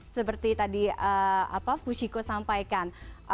seperti tadi fushiko sampaikan